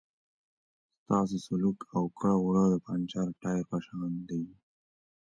ستاسو سلوک او کړه وړه د پنچر ټایر په شان دي.